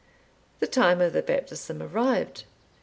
The time of the baptism arrived.